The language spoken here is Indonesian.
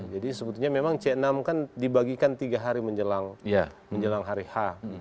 jadi sebetulnya memang c enam kan dibagikan tiga hari menjelang hari h